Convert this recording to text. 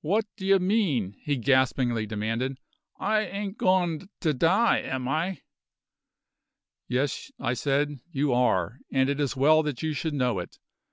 "What d'ye mean?" he gaspingly demanded. "I ain't goin' to die am I?" "Yes," I said, "you are; and it is well that you should know it.